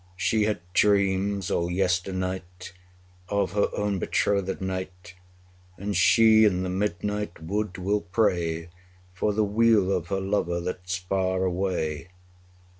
She had dreams all yesternight Of her own betrothéd knight; And she in the midnight wood will pray For the weal of her lover that's far away.